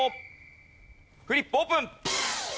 フリップオープン！